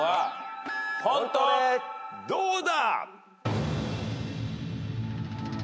どうだ？